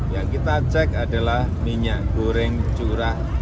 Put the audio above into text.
yang kita cek adalah minyak goreng curah